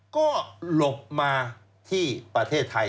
ก็หลบมาที่ประเทศไทย